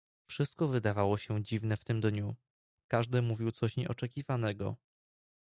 "Wszystko wydawało się dziwne w tym dniu; każdy mówił coś nieoczekiwanego."